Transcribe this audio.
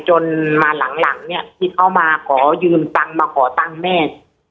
จนมาหลังที่เขามาขอยืนตั้งมาขอตั้งแม่